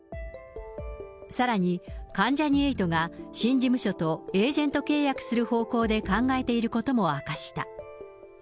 さらに、関ジャニ∞が新事務所とエージェント契約する方向で考えていることも明かした。